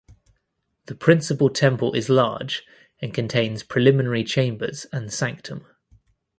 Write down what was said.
The principal temple is large and contains preliminary chambers and sanctum.